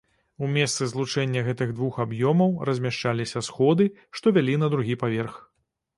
У месцы злучэння гэтых двух аб'ёмаў размяшчаліся сходы, што вялі на другі паверх.